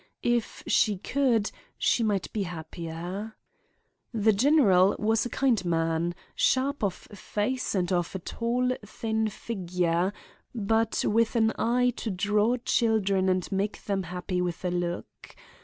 If she could she might be happier. "The general was a kindly man, sharp of face and of a tall thin figure, but with an eye to draw children and make them happy with a look.